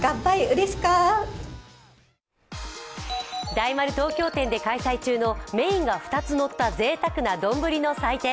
大丸東京店で開催中のメインが２つのったぜいたくな丼の祭典。